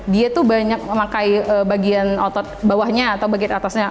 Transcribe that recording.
dia tuh banyak memakai bagian otot bawahnya atau bagian atasnya